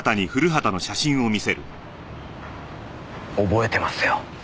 覚えてますよ。